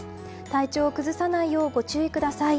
体調を崩さないようご注意ください。